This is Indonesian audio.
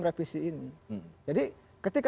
reprisi ini jadi ketika